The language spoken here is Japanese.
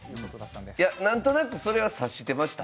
なんとなくそれは察していました。